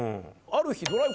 ある日。